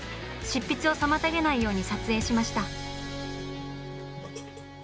執筆を妨げないように撮影しました。